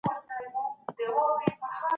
درملنه د علت پېژندنه غواړي.